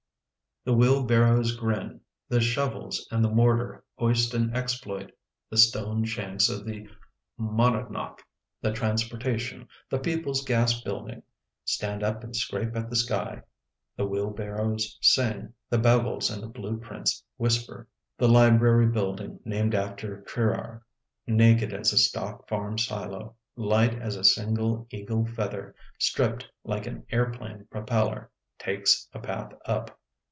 The wheelbarrows grin, the shovels and the mortar hoist an exploit. The stone shanks of the Monadnock, the Transportation, the People's Gas Building, stand up and scrape at the sky. The wheelbarrows sing, the bevels and the blue prints whisper. 12 The Windy City The library building named after Crerar, naked as a stock farm silo, light as a single eagle feather, stripped like an airplane propeller, takes a path up.